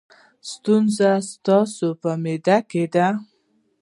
ستونزه ستاسو په معده کې ده.